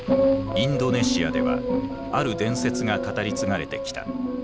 インドネシアではある伝説が語り継がれてきた。